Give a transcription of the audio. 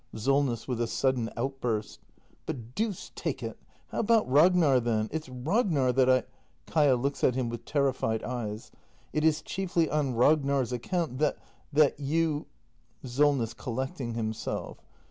Solness. [With a sudden outburst.] But deuce take it — how about Ragnar then! It's Ragnar that I Kaia. [Looks at him with terrified eyes.] It is chiefly on Rag nar's account, that — that you ? Solness. [Collecting himself.